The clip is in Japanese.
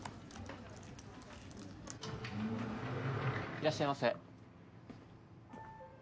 いらっしゃいませ。